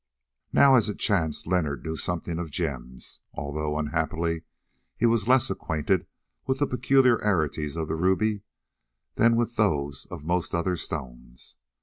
Now, as it chanced, Leonard knew something of gems, although unhappily he was less acquainted with the peculiarities of the ruby than with those of most other stones.